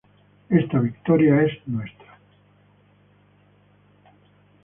Esta victoria es nuestra.